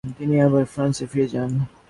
তিনি আবার ফ্রান্সে ফিরে যান।